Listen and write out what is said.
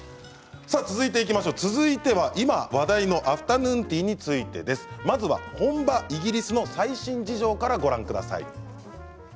続いては今、話題のアフタヌーンティーについてです。まずは本場イギリスの最新事情からご覧ください。